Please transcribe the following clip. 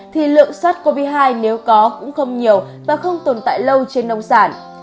thì lượng sars cov hai nếu có cũng không nhiều và không tồn tại lâu trên nông sản